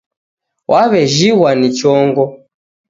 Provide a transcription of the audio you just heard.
Wawejhighwa ni chongo